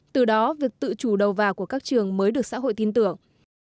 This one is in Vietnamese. từ đó việc tự chủ đầu vào của các trường mới được xã hội tin tưởng